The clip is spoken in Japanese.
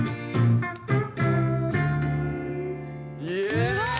すごい！